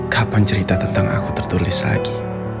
kapan cerita tentang aku tertulis lagi